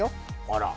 あら。